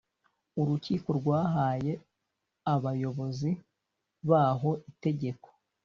urukiko rwahaye abayobozi baho itegeko